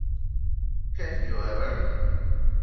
Have You Ever?